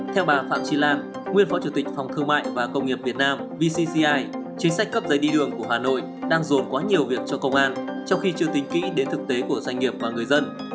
theo bà phạm chi lan nguyên phó chủ tịch phòng thương mại và công nghiệp việt nam vcci chính sách cấp giấy đi đường của hà nội đang dồn quá nhiều việc cho công an trong khi chưa tính kỹ đến thực tế của doanh nghiệp và người dân